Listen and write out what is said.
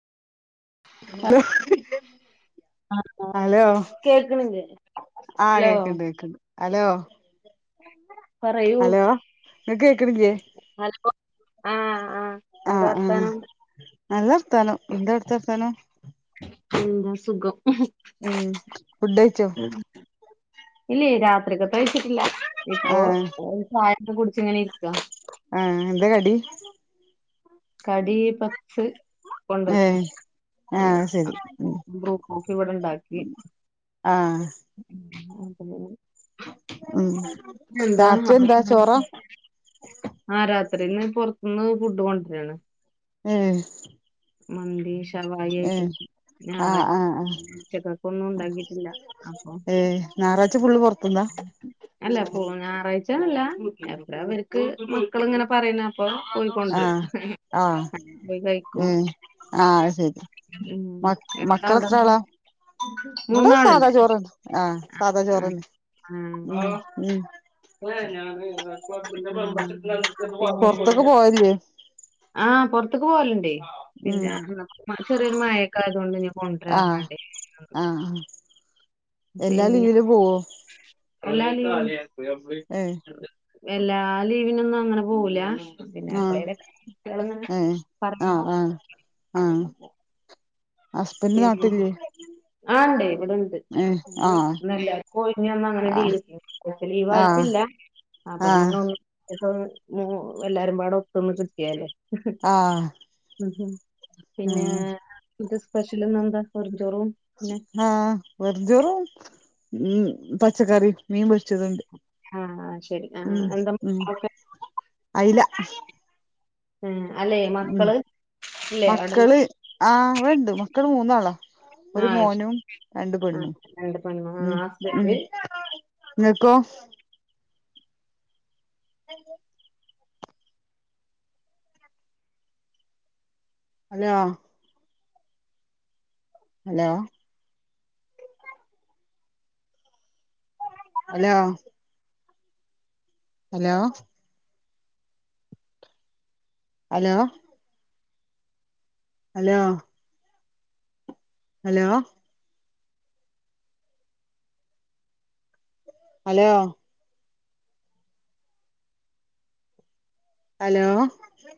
hello ആ hello കേൾക്കണില്ലേ ആ ഹലോ കേക്ക്ണ്ട് ഏക്ക്ണ്ട് ഹലോ പറയൂ ഹലോ ങ്ങക്ക് കേക്ക്ണില്ലേ ഹലോ ആഹ് ആഹ് ആ എന്താ ആ വർത്താനം നല്ലർത്താനം എന്താവ്ട്തെ വർത്താനം എന്താ സുഖം ഉം ഫുഡ്കഴിച്ചോ ഇല്ല രാത്രികത്തെ കഴ്ച്ച്ട്ടില്ല ഇപ്പോ ആ ചായ ഒക്കെ കുട്ച്ച് ഇങ്ങനെ ഇരിക്ക ആ എന്താ കടി കടി പപ്സ് ഏ കൊണ്ടാേരും ആ ശരി ഉം ബ്രൂ കോഫി ഇവ്ടെണ്ടാക്കി ആ [unintelligible] ഉം എന്താ രാത്രി എന്താ ചോറാ [unintelligible] ആ രാത്രിന്ന് പൊർത്ത്ന്ന് ഫുഡ് കൊണ്ട് രാണ് ഏ മന്തി ഷവായി ഏ ആയിട്ടും ആ ഞാറ ആ ആ ഉച്ചക്കക്കൊന്നും ഉണ്ടാക്കിട്ടില്ല അപ്പോ ഏ ഞായറാഴ്ച ഫുൾ അല്ല പോ ഞായറാഴ്ച ചല്ല എ [unintelligible] ഇവർക്ക് മക്കള് ഇങ്ങനെ പറയുണ് അപ്പ ആ പോയിക്കൊണ്ടരും ആ അങ്ങനെ പോയി കഴിക്കും ഏ ആ ശരി ഉം മ എന്താ അവിടെ മക്കളെത്ര ആളാ ഇവിടെ മൂന്നാളുണ്ട് സാധാ ചോർ ആ ആഹ് സാധാ ചോറെന്നെ മ് മ് പൊറത്തൊക്കെ പോവലില്ലേ ആ ആ പുറത്തേക്ക് പോവലുണ്ടേ ഉം പിന്നെ ചെറിയൊരു മഴക്കോ ആയതൊണ്ട് ഞാൻ കൊണ്ടാര പറഞ്ഞാണ്ടേ മ് എല്ലാ ലീവിലും പൂവോ എല്ലാ ലീവ് എല്ലാ ലീവിനൊന്നും അങ്ങനെ പോവൂല പിന്നെ ആഹ് എപ്പളയിലൊക്കെ കുട്ടികള് ഇങ്ങനെ ഏഹ് ആഹ് പറയുമ്പോ ആഹ് ആഹ് [inaudible] ഹസ്ബൻഡ് നാട്ടിൽ ഇല്ലേ ആ ഇണ്ട് ഇവിടെണ്ട് ആഹ് ഇന്നെല്ലാര്ക്കും ഒഴിഞ്ഞുവന്നു അങ്ങനെ ആഹ് ലീവ് കിട്ടി അപ്പ ലീവ് ആക്കി ഇപ്പ ആഹ് ഇല്ല അപ്പ ആഹ് ഇന്ന് [unintelligible] എല്ലാരും പാടേ ഒത്തൊന്ന് കിട്ടിതല്ലേ ആഹ് പിന്നെ ഉം ഇന്നത്തെ സ്പെഷ്യൽ ഇന്ന് എന്താ ഒ ആ വെറും ചോറും ഉം പച്ചക്കറിയും മീൻ പൊരി ച്ചതുണ്ട് ആ ശരി ആ ഉം എന്താ ഉം മക്കളൊക്കെ അയില ആ അല്ലേ ഉം മക്കള് ഇല്ലേ അവിടെ മക്കള് ആ ഇവിടണ്ട് മക്കള് മൂന്നാളാ ആ ഒരു ശരി മോനും രണ്ട് ആ പെണ്ണും രണ്ട് പെണ്ണ് ആ ഉം ഉം ഹസ്ബൻഡ് നിങ്ങക്കോ hello hello hello hello hello hello hello hello hello